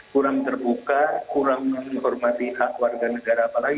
kurang terbuka kurang menghormati hak warga negara apa lagi